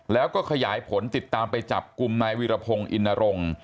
แล้วก็ขยายผลติดตามไปจับกลุ่มนายวิรพงศ์อินนรงค์